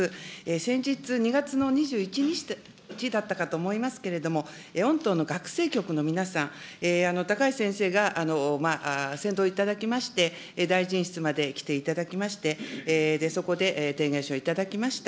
先日、２月の２１日だったかと思いますけれども、御党の学生局の皆さん、高市先生が先導いただきまして、大臣室まで来ていただきまして、そこで提言書を頂きました。